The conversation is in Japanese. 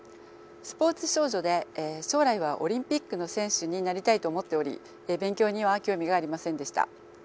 スポーツ少女で将来はオリンピックの選手になりたいと思っており勉強には興味がありませんでした。